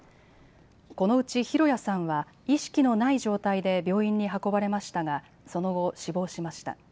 このうち、博也さんは意識のない状態で病院に運ばれましたがその後、死亡しました。